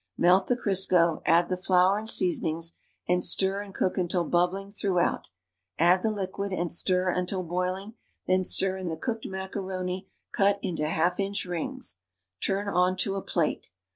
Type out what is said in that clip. Melt the C'risco, add the flour and seasonings and stir and cook until bubbling through out, add the liquid and stir until boiling, then stir in the cooked macaroni cut into half inch rings. Turn onto a plate.